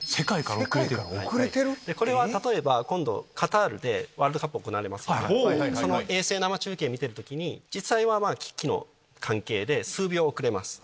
これは例えば今度カタールでワールドカップ行われますけどその衛星中継見てる時に実際は機器の関係で数秒遅れます。